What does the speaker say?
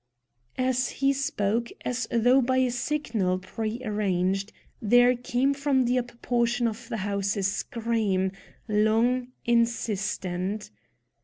As he spoke, as though by a signal prearranged, there came from the upper portion of the house a scream, long, insistent.